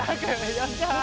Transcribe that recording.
やった！